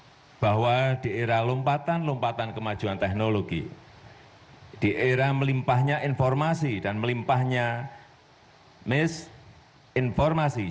saya bahwa di era lompatan lompatan kemajuan teknologi di era melimpahnya informasi dan melimpahnya misinformasi